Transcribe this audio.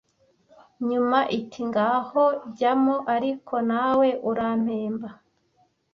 nyuma iti “Ngaho jyamo ariko nawe urampemba!”